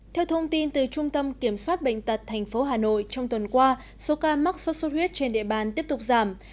theo thông tin từ trung tâm kiểm soát bệnh tật thành phố hà nội trong tuần qua số ca mắc sốt sốt huyết trên địa bàn tiếp tục giảm